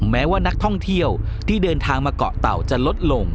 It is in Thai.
แม้ว่านักท่องเที่ยวที่เดินทางมาเกาะเต่าจะลดลง